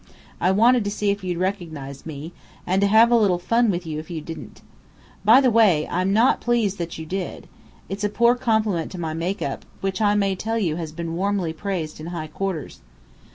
I wanted to see if you'd recognize me, and to have a little fun with you if you didn't. By the way, I'm not pleased that you did. It's a poor compliment to my make up, which I may tell you has been warmly praised in high quarters!"